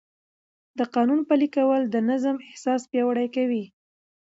د قانون پلي کول د نظم احساس پیاوړی کوي.